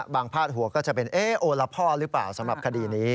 บางภาษาหัวก็จะเป็นโอละพ่อหรือเปล่าสำหรับคดีนี้